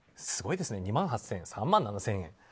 すごいですね、２万８０００円３万７０００円。